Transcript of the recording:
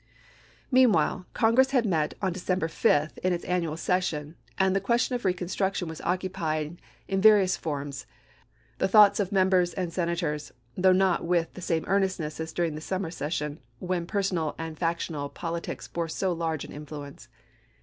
1864. Meanwhile Congress had met on December 5, in its annual session, and the question of reconstruc tion was occupying in various forms the thoughts GENERAL EDWARD R. S. CANBY. KECONSTRUCTION 449 of Members and Senators, though not with the chap.xix. same earnestness as during the summer session, when personal and factional politics bore so large an influence.